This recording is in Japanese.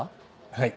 はい。